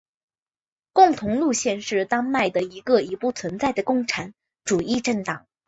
共同路线是丹麦的一个已不存在的共产主义政党。